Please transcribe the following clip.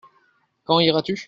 Quand iras-tu ?